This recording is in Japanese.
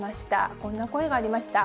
こんな声がありました。